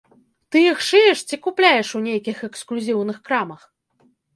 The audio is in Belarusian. Ты іх шыеш ці купляеш у нейкіх эксклюзіўных крамах?